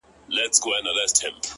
د زړه له درده درته وايمه دا’